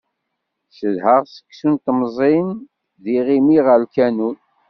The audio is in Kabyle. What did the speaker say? Cedhaɣ seksu n temẓin d yiɣimi ɣer lkanun.